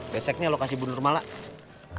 beseknya lo kasih bunuh rumah lah